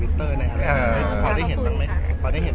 คนดูเปิดใจตอนนี้